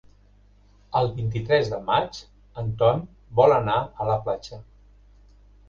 El vint-i-tres de maig en Ton vol anar a la platja.